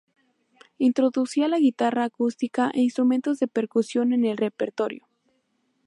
Introducía la guitarra acústica e instrumentos de percusión en el repertorio.